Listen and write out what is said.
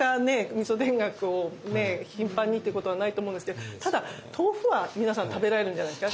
みそ田楽を頻繁にってことはないと思うんですけどただ豆腐は皆さん食べられるんじゃないですか？